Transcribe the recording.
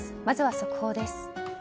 まずは速報です。